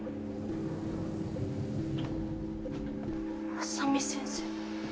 浅海先生。